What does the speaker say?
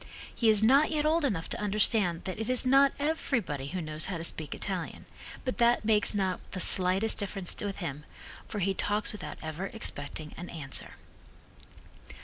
He is not yet old enough to understand that it is not everybody who knows how to speak Italian, but that makes not the slightest difference with him, for he talks without ever expecting an answer.